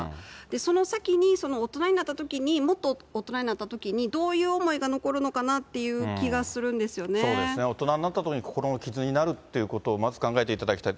その先に、もっと大人になったときにどういう思いが残るのかなっていう気がそうですね、大人になったときに、心の傷になるっていうことを、まず考えていただきたい。